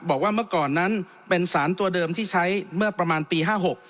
บอกว่าเมื่อก่อนนั้นเป็นสารตัวเดิมที่ใช้เมื่อประมาณปีห้าหก